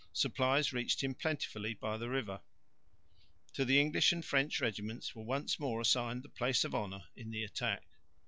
Supplies reached him plentifully by the river. To the English and French regiments were once more assigned the place of honour in the attack.